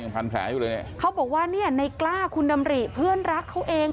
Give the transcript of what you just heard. พันแผลอยู่เลยเนี่ยเขาบอกว่าเนี่ยในกล้าคุณดำริเพื่อนรักเขาเอง